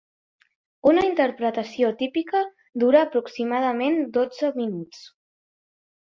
Una interpretació típica dura aproximadament dotze minuts.